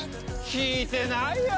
聞いてないよ！